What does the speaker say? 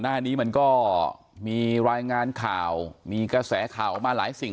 หน้านี้มันก็มีรายงานข่าวมีกระแสข่าวออกมาหลายสิ่ง